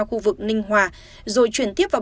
khu vực ninh hòa rồi chuyển tiếp vào